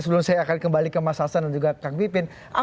sebelum saya akan kembali ke masjid asan dan juga kandungan